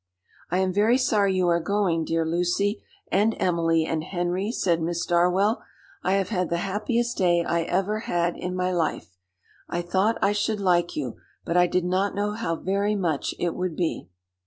"I am very sorry you are going, dear Lucy and Emily and Henry," said Miss Darwell; "I have had the happiest day I ever had in my life. I thought I should like you, but I did not know how very much it would be."